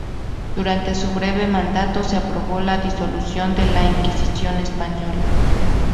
Durante su breve mandato se aprobó la disolución de la Inquisición Española.